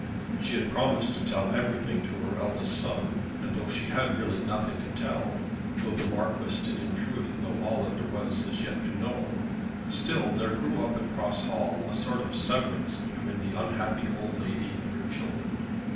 She had promised to tell everything to her eldest son, and though she had really nothing to tell, though the Marquis did in truth know all that there was as yet to know, still there grew up at Cross Hall a sort of severance between the unhappy old lady and her children.